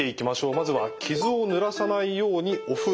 まずは「傷をぬらさないようにお風呂に入る」。